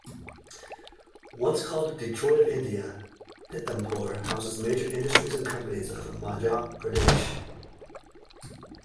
Once called, 'Detroit of India', Pithampur houses major industries and companies of Madhya Pradesh.